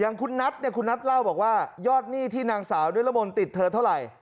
คุณนัทเนี่ยคุณนัทเล่าบอกว่ายอดหนี้ที่นางสาวนิรมนต์ติดเธอเท่าไหร่